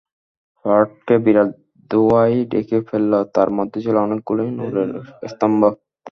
পাহাড়কে বিরাট ধোয়ায় ঢেকে ফেলল, তার মধ্যে ছিল অনেকগুলো নূরের স্তম্ভ।